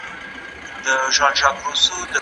احمد شاه ابدالي څنګه د ایران سره سیاسي اړیکې ساتلي؟